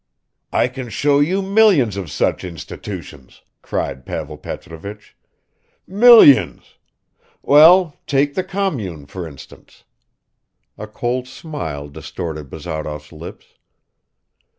"I can show you millions of such institutions!" cried Pavel Petrovich "millions! Well, take the commune, for instance." A cold smile distorted Bazarov's lips.